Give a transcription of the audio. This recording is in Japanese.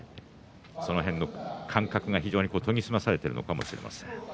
その辺の感覚が、非常に研ぎ澄まされているのかもしれません。